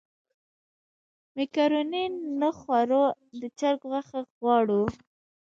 مېکاروني نه خورو د چرګ غوښه غواړو.